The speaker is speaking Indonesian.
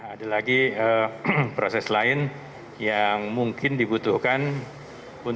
ada lagi proses lain yang mungkin dibutuhkan untuk